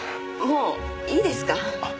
もういいですか？